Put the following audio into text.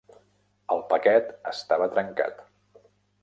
El paquet estava trencat.